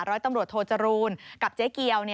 ร้อยตำรวจโทจรูลกับเจ๊เกียว